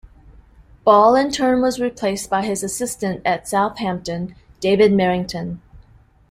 Ball in turn was replaced by his assistant at Southampton, David Merrington.